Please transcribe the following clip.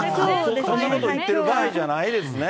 そんなこと言ってる場合じゃないですね。